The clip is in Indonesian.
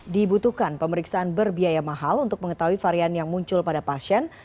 dibutuhkan pemeriksaan berbiaya mahal untuk mengetahui varian yang muncul pada pasien